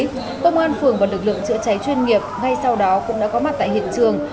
công an phường và lực lượng chữa cháy chuyên nghiệp ngay sau đó cũng đã có mặt tại hiện trường